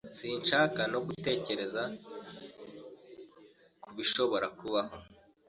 Sinshaka no gutekereza kubishobora kubaho.